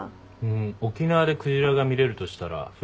沖縄でクジラが見れるとしたら冬かな。